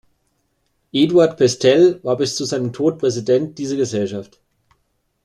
Eduard Pestel war bis zu seinem Tod Präsident dieser Gesellschaft.